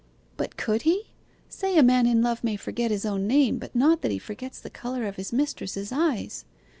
'But could he? Say a man in love may forget his own name, but not that he forgets the colour of his mistress's eyes.